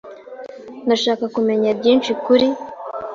Ndashaka kumenya byinshi kuri .